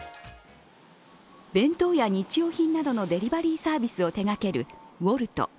弁当や日用品などのデリバリーサービスを手がけるＷｏｌｔ。